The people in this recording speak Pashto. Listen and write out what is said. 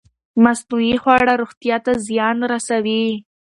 مصنوعي خواړه روغتیا ته زیان رسوي.